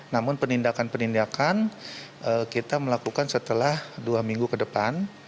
namun penindakan penindakan kita melakukan setelah dua minggu ke depan